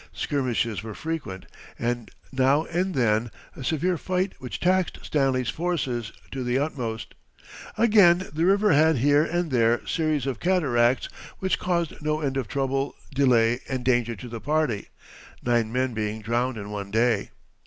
Skirmishes were frequent, and now and then a severe fight which taxed Stanley's forces to the utmost. Again the river had here and there series of cataracts which caused no end of trouble, delay, and danger to the party, nine men being drowned in one day.